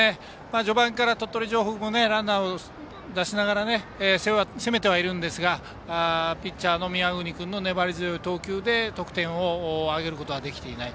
序盤から鳥取城北もランナーを出しながら攻めてはいますがピッチャーの宮國君の粘り強い投球で得点を挙げることはできていない。